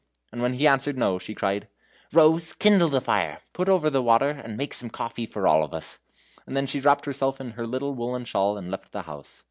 And when he answered no, she cried: "Rose, kindle the fire, put over the water, and make some coffee for all of us." She then wrapped herself in her little woollen shawl and left the house.